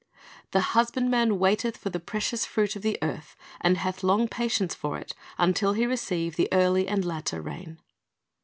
"The husbandman waiteth for the precious fruit of the earth, and hath long patience for it, until he receive the early and latter rain."'